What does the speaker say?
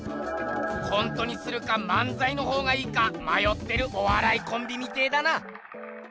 コントにするか漫才のほうがいいかまよってるおわらいコンビみてえだな！